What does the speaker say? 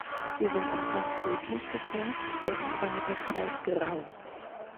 Sie sind anfangs rötlich gefärbt, werden aber mit der Zeit grau.